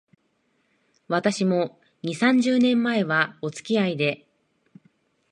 私も、二、三十年前は、おつきあいで